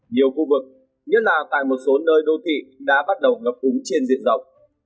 nhiều khu vực nhất là tại một số nơi đô thị đã bắt đầu ngập úng trên diện rộng